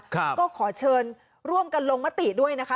ก็ขอเชิญร่วมกันลงมติด้วยนะคะ